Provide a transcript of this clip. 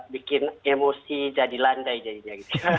bikin emosi jadi landai jadinya